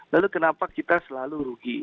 lalu kenapa kita selalu rugi